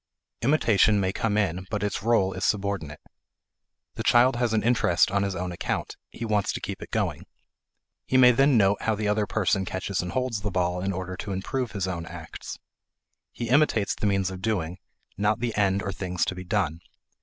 Imitation may come in but its role is subordinate. The child has an interest on his own account; he wants to keep it going. He may then note how the other person catches and holds the ball in order to improve his own acts. He imitates the means of doing, not the end or thing to be done.